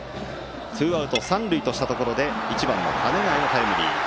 ツーアウト三塁としたところで１番の鐘ヶ江のタイムリー。